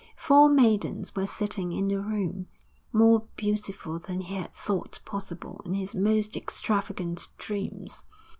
Four maidens were sitting in the room, more beautiful than he had thought possible in his most extravagant dreams.